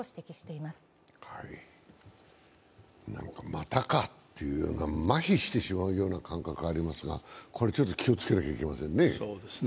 またかというような、まひしてしまうような感覚がありますが、これ、気をつけなきゃいけませんね